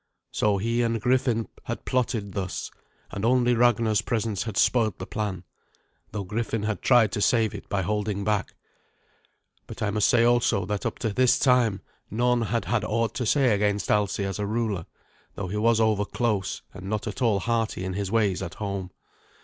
So he and Griffin had plotted thus, and only Ragnar's presence had spoilt the plan, though Griffin had tried to save it by holding back. But I must say also that up to this time none had had aught to say against Alsi as a ruler, though he was over close, and not at all hearty in his ways at home.